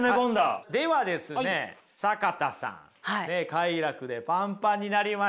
快楽でパンパンになりました。